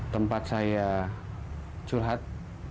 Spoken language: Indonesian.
tempat saya curhat